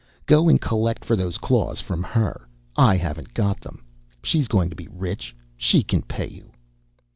Go and collect for those claws from her. I haven't got them. She's going to be rich; she can pay you!"